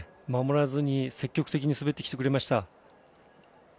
守らずに積極的に滑ってきてくれました。